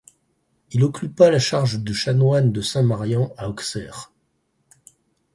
Il occupa la charge de chanoine de Saint-Marian à Auxerre.